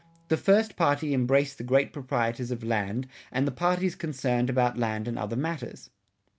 ... The first party embraced the great proprietors of land, and the parties concerned about land and other matters."